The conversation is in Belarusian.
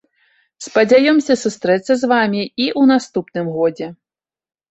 Спадзяёмся сустрэцца з вамі і ў наступным годзе.